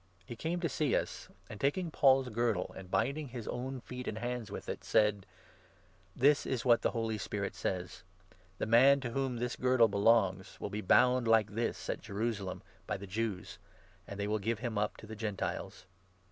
He came to see us, and, taking n Paul's girdle, and binding his own feet and hands with it, said : "This is what the Holy Spirit says — 'The man to whom this girdle belongs will be bound like this at Jerusalem by the Jews, and they will give him up to the Gentiles